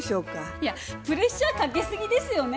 いやプレッシャーかけすぎですよね。